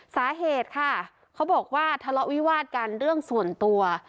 สาเหตุค่ะเขาบอกว่าทะเลาะวิวาดกันเรื่องส่วนตัว